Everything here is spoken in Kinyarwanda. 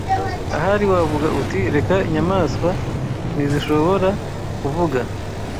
Ahari wavuga uti reka inyamaswa ntizishobora kuvuga